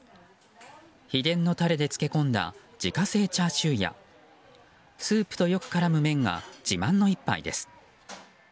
秘伝のタレで漬け込んだ自家製チャーシューやスープとよく絡む麺が自慢の一杯です。